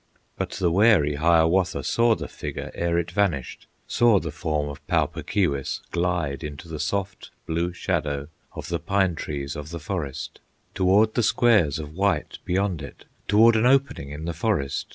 But the wary Hiawatha Saw the figure ere it vanished, Saw the form of Pau Puk Keewis Glide into the soft blue shadow Of the pine trees of the forest; Toward the squares of white beyond it, Toward an opening in the forest.